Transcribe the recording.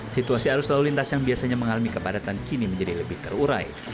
situasi arus lalu lintas yang biasanya mengalami kepadatan kini menjadi lebih terurai